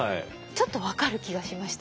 ちょっと分かる気がしました。